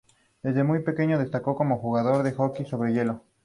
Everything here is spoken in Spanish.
Incluso hoy día es utilizado como libro de referencia.